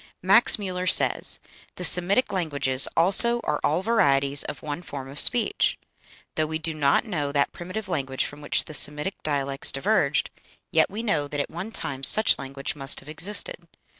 Max Müller says: "The Semitic languages also are all varieties of one form of speech. Though we do not know that primitive language from which the Semitic dialects diverged, yet we know that at one time such language must have existed....